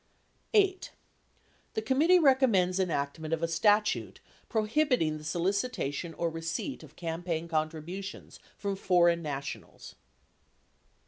8. The committee recommends enactment of a statute pro hibiting the solicitation or receipt of campaign contributions from foreign nationals.